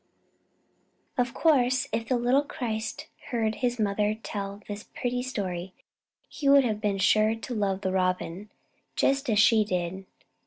Of course, if the little Christ heard His mother tell this pretty story He would have been sure to love the Robin, just as she did.